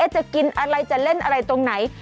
จะกินอะไรจะเล่นอะไรตรงไหน